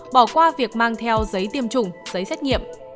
bỏ qua việc mang theo giấy tiêm chủng giấy xét nghiệm